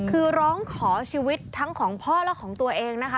คือร้องขอชีวิตทั้งของพ่อและของตัวเองนะคะ